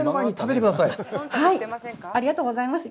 ありがとうございます。